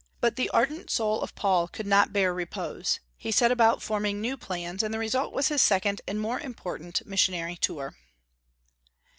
But the ardent soul of Paul could not bear repose. He set about forming new plans; and the result was his second and more important missionary tour.